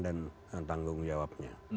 dan tanggung jawabnya